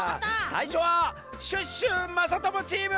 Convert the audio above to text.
さいしょはシュッシュまさともチーム！